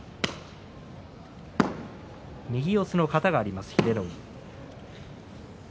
右四つの型があります、英乃海。